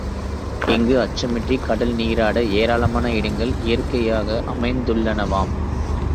இங்கு, அச்சமின்றி கடல் நீராட ஏராளமான இடங்கள் இயற்கையாக அமைந்துள்ளனவாம்.